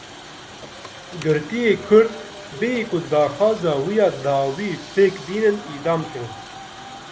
Girtiyê Kurd bêyî ku daxwaza wî ya dawî pêk bînin îdam kirin.